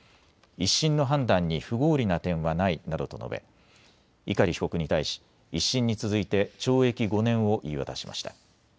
１審の判断に不合理な点はないなどと述べ、碇被告に対し１審に続いて懲役５年を言い渡しました。